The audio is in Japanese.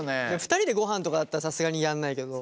２人でごはんとかだったらさすがにやんないけど。